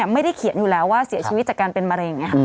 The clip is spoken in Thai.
ไม่ได้เขียนอยู่แล้วว่าเสียชีวิตจากการเป็นมะเร็งอย่างนี้ค่ะ